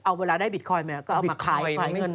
เอาเวลาได้บิตคอยน์ไหมก็เอามาขายไฟเงิน